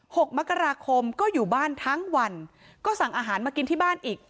หกมกราคมก็อยู่บ้านทั้งวันก็สั่งอาหารมากินที่บ้านอีก